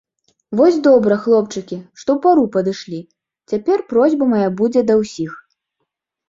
Вось добра, хлопчыкі, што ў пару падышлі, цяпер просьба мая будзе да ўсіх.